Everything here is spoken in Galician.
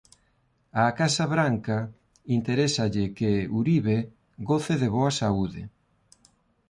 Á Casa Branca interésalle que Uribe goce de boa saúde.